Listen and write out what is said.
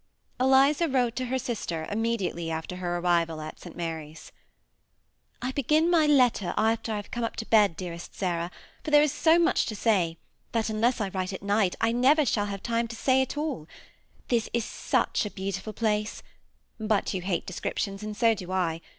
EtizA wrote to her sister ikntnediMely after her ar^ rival at St. Mary's: ^ ^^I begin my letter after I hare come up to bed, dearest Sarah, for Itere is so loach to say, that unless I write at night, I never skaii Ikave time to say it alL This k duch a beautifiii plaee ; but yon hale descrip* tioas, and so ^ I.